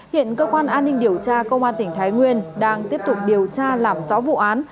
hiện cơ quan an ninh điều tra công an tỉnh thái nguyên đang tiếp tục điều tra làm rõ vụ án